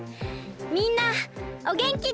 みんなおげんきで！